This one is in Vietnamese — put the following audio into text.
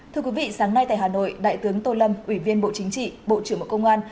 thưa quý vị sáng nay tại hà nội đại tướng tô lâm ủy viên bộ chính trị bộ trưởng bộ công an